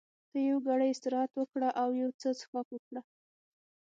ته یو ګړی استراحت وکړه او یو څه څښاک وکړه.